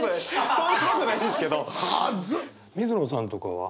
水野さんとかは？